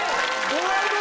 ドライブ！